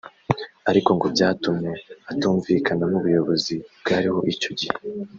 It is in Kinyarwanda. Ariko ngo byatumye atumvikana n’ ubuyobozi bwariho icyo gihe